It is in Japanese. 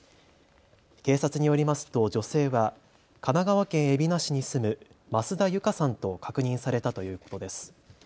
警察によりますと女性は神奈川県海老名市に住む増田有華さんと確認されたということです。